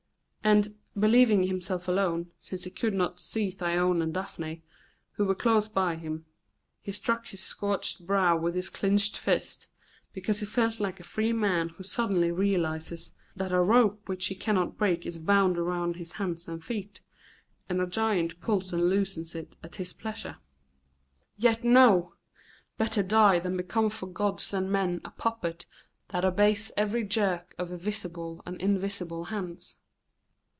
And, believing himself alone, since he could not see Thyone and Daphne, who were close by him, he struck his scorched brow with his clinched fist, because he felt like a free man who suddenly realizes that a rope which he can not break is bound around his hands and feet, and a giant pulls and loosens it at his pleasure. Yet no! Better die than become for gods and men a puppet that obeys every jerk of visible and invisible hands.